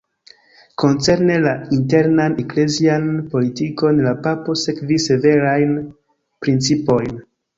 Koncerne la internan eklezian politikon la papo sekvis severajn principojn.